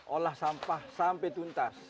olah sampah sampai tuntas